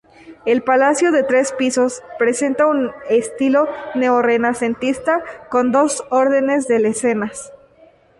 El Palacio, de tres pisos, presenta un estilo neorrenacentista, con dos órdenes de lesenas.